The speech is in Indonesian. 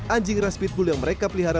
anjing ras pitbull yang mereka pelihara